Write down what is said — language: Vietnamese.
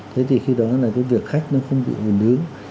thế thì khi đó là cái việc khách nó không bị bình đường